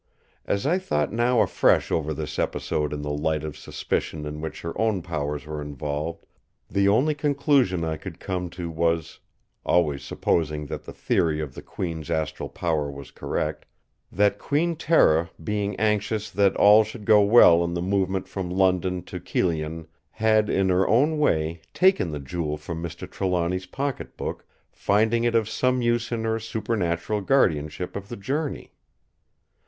As I thought now afresh over this episode in the light of suspicion in which her own powers were involved, the only conclusion I could come to was—always supposing that the theory of the Queen's astral power was correct—that Queen Tera being anxious that all should go well in the movement from London to Kyllion had in her own way taken the Jewel from Mr. Trelawny's pocket book, finding it of some use in her supernatural guardianship of the journey.